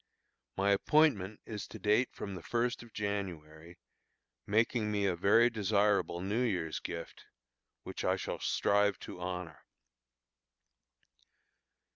My appointment is to date from the first of January, making me a very desirable New Year's gift, which I shall strive to honor.